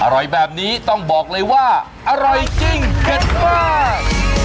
อร่อยแบบนี้ต้องบอกเลยว่าอร่อยจริงเผ็ดมาก